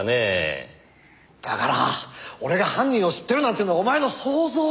だから俺が犯人を知ってるなんていうのはお前の想像だ！